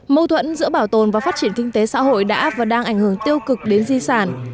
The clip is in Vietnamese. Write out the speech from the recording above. mâu thuẫn giữa bảo tồn và phát triển kinh tế xã hội đã và đang ảnh hưởng tiêu cực đến di sản